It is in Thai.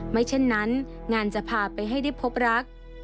ไม่เช่นนั้นงานจะพาไปให้ได้พบรัก